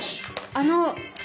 あの。